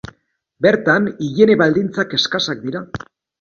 Bertan, higiene baldintzak eskasak dira.